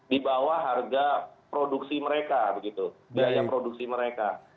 di bawah harga produksi mereka begitu biaya produksi mereka